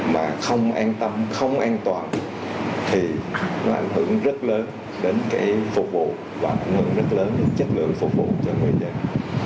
mà không an tâm không an toàn thì nó ảnh hưởng rất lớn đến cái phục vụ và ảnh hưởng rất lớn đến chất lượng phục vụ cho người dân